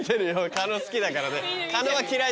狩野好きだからね。